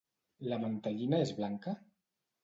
La mantellina és blanca?